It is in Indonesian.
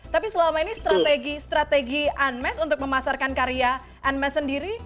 tapi selama ini strategi anmes untuk memasarkan karya anmes sendiri